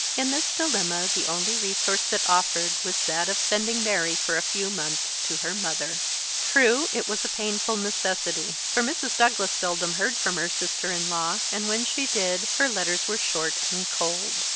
In this dilemma the only resource that offered was that of sending Mary for a few months to her mother. True, it was a painful necessity; for Mrs. Douglas seldom heard from her sister in law, and when she did, her letters were short and cold.